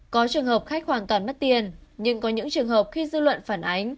có trường hợp khách hoàn toàn mất tiền nhưng có những trường hợp khi dư luận phản ánh